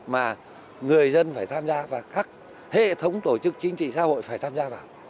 mà người dân phải tham gia và các hệ thống tổ chức chính trị xã hội phải tham gia vào